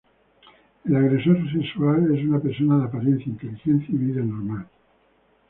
El agresor sexual es una persona de apariencia, inteligencia y vida normal.